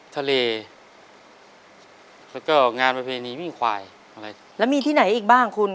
ทะเลแล้วก็งานประเพณีวิ่งควายอะไรแล้วมีที่ไหนอีกบ้างคุณ